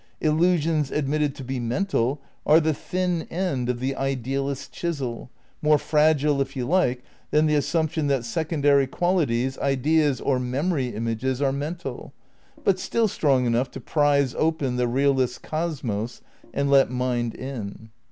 Illusions admitted to be mental are the thin end of the idealist's chisel, more fragile, if you like, than the assumption that secondary qualities, ideas or "memory images" are mental, but still strong enough to prize open the realist's cosmos and let mind in.